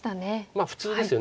まあ普通ですよね。